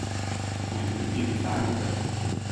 Dat gong yn de puberteit mei fleagen op en del.